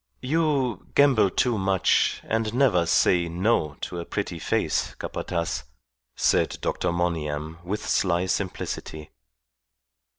"You gamble too much, and never say 'no' to a pretty face, Capataz," said Dr. Monygham, with sly simplicity.